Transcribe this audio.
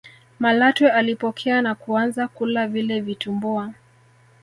malatwe alipokea na kuanza kula vile vitumbua